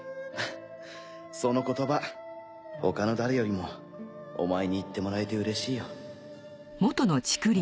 フフその言葉他の誰よりもお前に言ってもらえてうれしいよ